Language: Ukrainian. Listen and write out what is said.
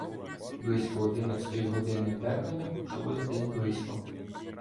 Близько одинадцятої години бекання почулося десь близько.